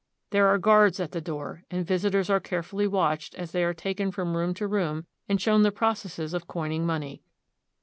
There are guards at the door, and visitors are carefully watched as they are taken from room to room and shown the processes of coining money.